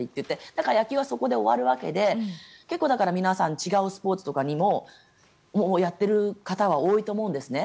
だから野球はそこで終わるわけでだから皆さん、ほかのスポーツもやっている方は多いと思うんですね。